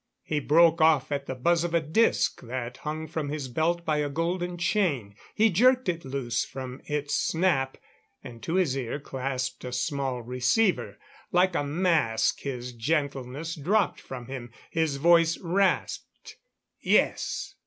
He broke off at the buzz of a disc that hung from his belt by a golden chain. He jerked it loose from its snap, and to his ear clasped a small receiver. Like a mask his gentleness dropped from him. His voice rasped: "Yes?..."